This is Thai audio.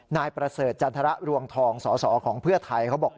นายประเสริฐจันทรรวงทองสสของเพื่อไทยเขาบอก